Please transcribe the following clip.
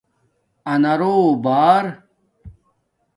آنارݸ بݳر